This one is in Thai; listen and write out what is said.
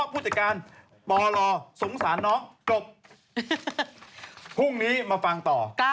มีครับมาต่อ